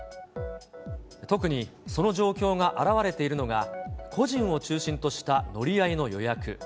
特に、その状況が表れているのが、個人を中心とした乗り合いの予約。